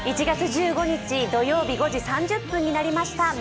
１月１５日土曜日５時３０分になりました。